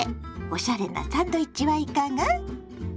おしゃれなサンドイッチはいかが？